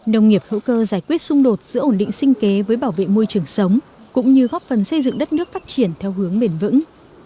nông nghiệp hữu cơ giải quyết xung đột giữa ổn định sinh kế với bảo vệ môi trường sống cũng như góp phần xây dựng đất nước phát triển theo hướng bền vững